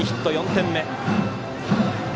４点目。